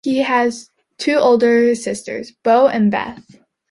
He has two older sisters, Bo and Beth.